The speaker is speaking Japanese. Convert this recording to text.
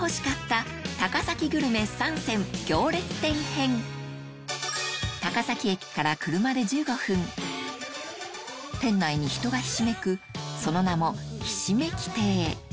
行列店高崎駅から車で１５分店内に人がひしめくその名もひしめき亭